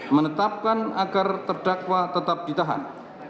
menetapkan agar terdakwa tetap ditahan